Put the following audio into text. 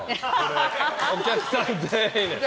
お客さん全員。